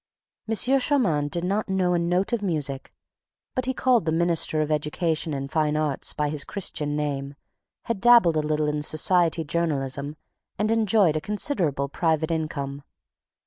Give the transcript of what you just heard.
M. Moncharmin did not know a note of music, but he called the minister of education and fine arts by his Christian name, had dabbled a little in society journalism and enjoyed a considerable private income.